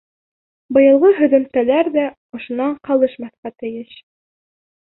Быйылғы һөҙөмтәләр ҙә ошонан ҡалышмаҫҡа тейеш.